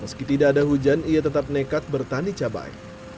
meski tidak ada hujan ia tetap nekat bertani cabai